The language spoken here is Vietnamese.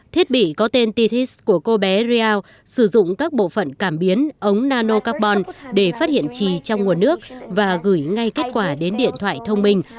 thiết bị có tên tethys của cô bé riau sử dụng các bộ phận cảm biến ống nanocarbon để phát hiện trì trong nguồn nước và gửi ngay kết quả đến điện thoại thông minh